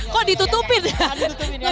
kok ditutupin ya